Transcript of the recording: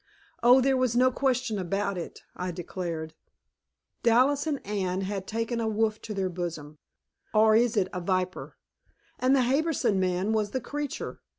Oh, there was no question about it, I decided; Dallas and Anne had taken a wolf to their bosom or is it a viper? and the Harbison man was the creature.